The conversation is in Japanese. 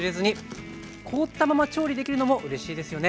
凍ったまま調理できるのもうれしいですよね。